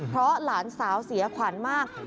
เพราะหลานสาวเสียขวัญมาก